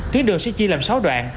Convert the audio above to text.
tuyến đường sẽ chia làm sáu đoạn